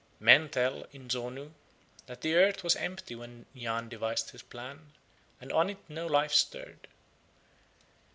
Men tell in Zonu that the earth was empty when Yahn devised his plan, and on it no life stirred.